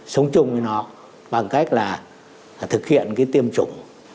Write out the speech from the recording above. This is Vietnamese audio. sống chung với nó bằng cách là thực hiện cái tiêm chủng